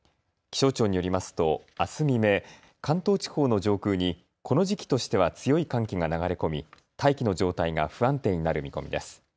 気象庁によりますとあす未明、関東地方の上空にこの時期としては強い寒気が流れ込み大気の状態が不安定になる見込みです。